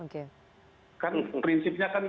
kan prinsipnya kan